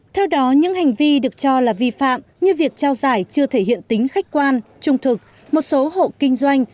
theo đó những hành vi được cho là vi phạm như việc trao giải chưa thể hiện tính khách quan trung thực một số hộ kinh doanh